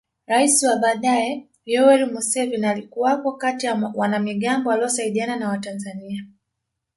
Rais wa baadaye Yoweri Museveni alikuwako kati ya wanamigambo waliosaidiana na Watanzania